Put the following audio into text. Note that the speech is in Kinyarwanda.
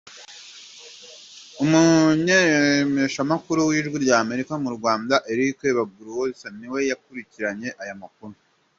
Umumenyeshamakuru w’Ijwi ry’Amerika mu Rwanda Eric Bagiruwubusa niwe yakurikiranye aya makuru.